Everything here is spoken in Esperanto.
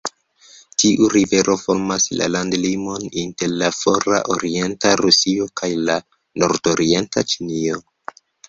Tiu rivero formas la landlimon inter la fora orienta Rusio kaj la nordorienta Ĉinio.